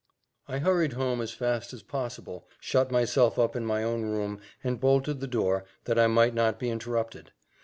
I hurried home as fast as possible, shut myself up in my own room, and bolted the door, that I might not be interrupted.